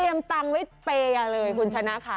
มีจำตังไว้เปยะเลยคุณชนะค่ะ